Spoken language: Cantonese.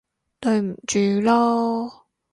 對唔住囉